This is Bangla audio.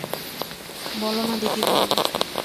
বলো না দিদি বলো।